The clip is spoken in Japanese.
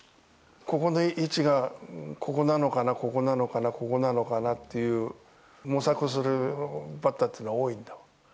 ここの位置が、ここなのかな、ここなのかな、ここなのかなっていう、模索するバッターっていうのは多いんだ。